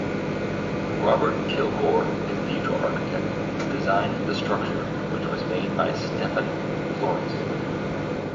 Robert Kilgour, cathedral architect, designed the structure, which was made by Stephen Florence.